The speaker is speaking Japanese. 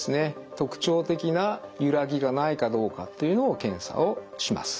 特徴的なゆらぎがないかどうかというのを検査をします。